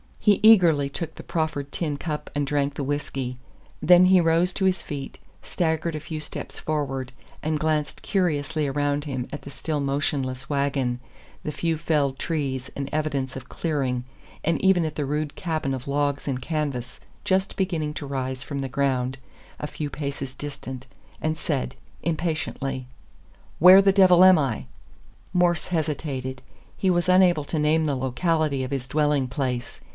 He eagerly took the proffered tin cup and drank the whisky. Then he rose to his feet, staggered a few steps forward, and glanced curiously around him at the still motionless wagon, the few felled trees and evidence of "clearing," and even at the rude cabin of logs and canvas just beginning to rise from the ground a few paces distant, and said, impatiently: "Where the devil am I?" Morse hesitated. He was unable to name the locality of his dwelling place.